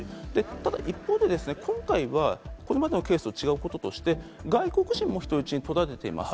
ただ一方で、今回はこれまでのケースと違うこととして、外国人も人質にとられています。